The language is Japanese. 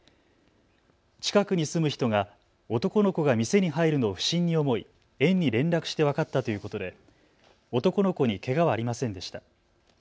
近くに住む人が男の子が店に入るのを不審に思い、園に連絡して分かったということで男の子にけがはありませんでした。